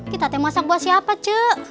kita teh masak buat siapa cek